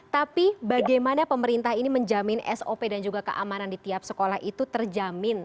tapi bagaimana pemerintah ini menjamin sop dan juga keamanan di tiap sekolah itu terjamin